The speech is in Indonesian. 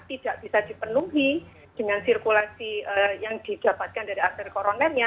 tidak bisa dipenuhi dengan sirkulasi yang didapatkan dari arteri koronernya